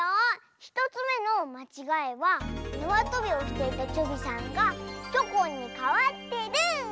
１つめのまちがいはなわとびをしていたチョビさんがチョコンにかわってる！